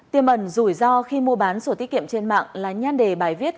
tiềm ẩn rủi ro khi mua bán sổ tiết kiệm trên mạng là nhan đề bài viết